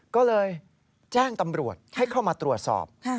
ก็เลยแจ้งตำรวจให้เข้ามาตรวจสอบ